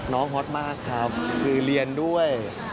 ฮอตมากครับคือเรียนด้วย